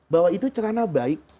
bahwa itu celana baik